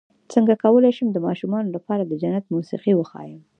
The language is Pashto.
څنګه کولی شم د ماشومانو لپاره د جنت موسيقي وښایم